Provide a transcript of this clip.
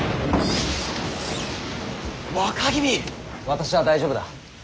私は大丈夫だ。